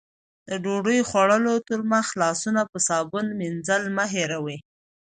د ډوډۍ خوړلو تر مخه لاسونه په صابون مینځل مه هېروئ.